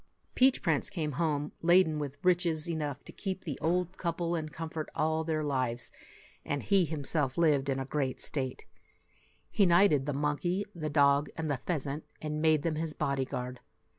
Peach Prince came home laden with riches enough to keep the old couple in comfort all their lives, and he himself lived in great state. He knighted the monkey, the dog, and the pheasant, and made them his body guard.